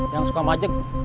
yang suka majek